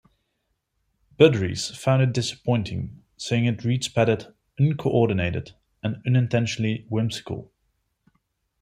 Budrys found it disappointing, saying It reads padded, uncoordinated, and unintentionally whimsical.